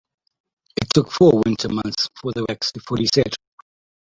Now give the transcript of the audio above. It took four winter months for the wax to fully set.